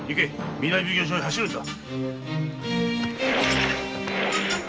南奉行所へ走るんだ！